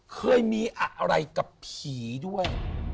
เคยมีอะไรกับผีด้วย